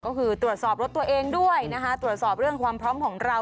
ก็คือตรวจสอบรถตัวเองด้วยนะคะตรวจสอบเรื่องความพร้อมของเรา